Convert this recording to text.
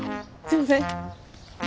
すいません。